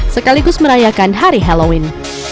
sekaligus merayakan hari halloween